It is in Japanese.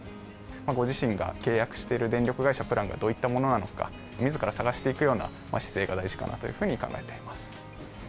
ご自身が契約している電力会社、プランがどういったものなのか、みずから探していくような姿勢が大事かなというふうに考えています。